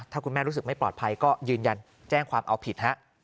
ถ้าคุณแม่รู้สึกไม่ปลอดภัยก็ยืนยันแจ้งความเอาผิดฮะ